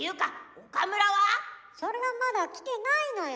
それがまだ来てないのよ。